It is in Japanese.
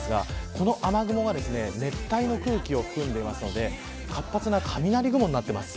この雨雲が熱帯の空気を含んでいますので活発な雷雲になっています。